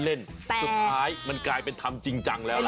สุดท้ายมันกลายเป็นทำจริงจังแล้วล่ะ